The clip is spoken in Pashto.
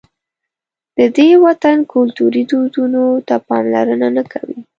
د دې وطن کلتوري دودونو ته پاملرنه نه کوي.